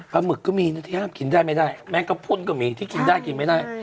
หมึกก็มีนะที่ห้ามกินได้ไม่ได้แมงกระพ่นก็มีที่กินได้กินไม่ได้